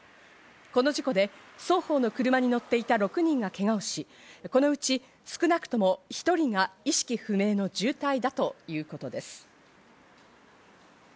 この事故で双方の車に乗っていた６人がけがをし、このうち少なくとも１人が意識不明の重体だということです。